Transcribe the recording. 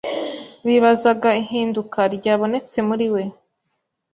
Bibazaga ihinduka ryabonetse muri we